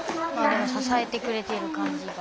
でも支えてくれている感じが。